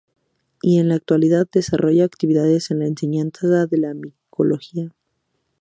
Y en la actualidad desarrolla actividades en la enseñanza de la micología.